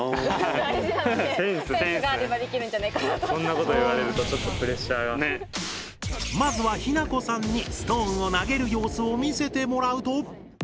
そんなこと言われるとまずはひなこさんにストーンを投げる様子を見せてもらうと。